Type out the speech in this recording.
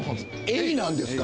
エイなんですか